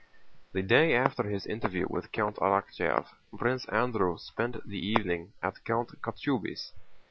The day after his interview with Count Arakchéev, Prince Andrew spent the evening at Count Kochubéy's.